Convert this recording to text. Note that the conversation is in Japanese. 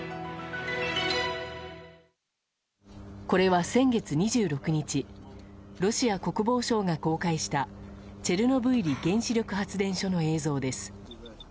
これは先月２６日ロシア国防省が公開したチェルノブイリ原子力発電所の映像です。